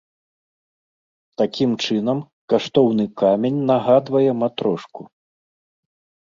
Такім чынам, каштоўны камень нагадвае матрошку.